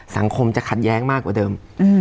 สังคมจะขัดแย้งมากกว่าเดิม